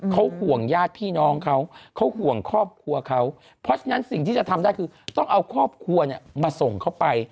เขาห่วงญาติพี่น้องเขาเขาห่วงครอบครัวเขาเพราะฉะนั้นสิ่งที่จะทำได้คือต้องเอาครอบครัวเนี่ยมาส่งเขาไป